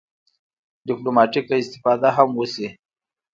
ډیپلوماټیکه استفاده هم وشي.